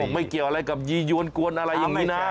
ไม่เกี่ยวอะไรกับยียวนกวนอะไรอย่างนี้นะ